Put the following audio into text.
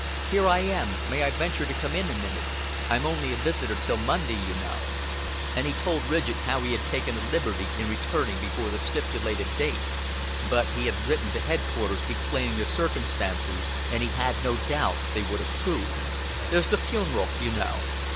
"Here I am. May I venture to come in a minute? I'm only a visitor till Monday, you know." And he told Ridgett how he had taken a liberty in returning before the stipulated date; but he had written to headquarters explaining the circumstances, and he had no doubt they would approve. "There's the funeral, you know.